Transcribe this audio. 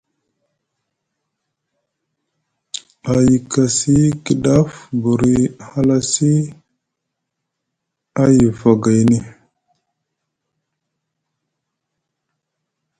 A yikasi Kiɗaf buri a halasi a yiva gayni.